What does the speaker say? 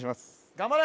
頑張れ